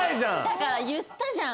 だから言ったじゃん。